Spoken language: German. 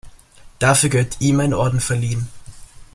Dafür gehört ihm ein Orden verliehen.